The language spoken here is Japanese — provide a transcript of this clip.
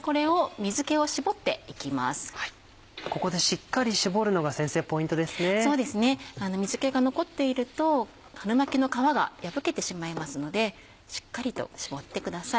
水気が残っていると春巻きの皮が破けてしまいますのでしっかりと絞ってください。